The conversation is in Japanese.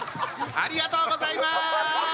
ありがとうございます！